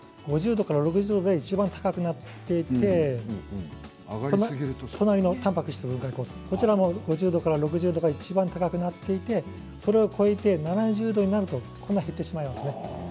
でんぷん分解酵素は５０度から６０度でいちばん高くなっていて隣のたんぱく質分解酵素も５０度から６０度がいちばん上がっていてそれを超えて７０度になってしまうと減ってしまいます。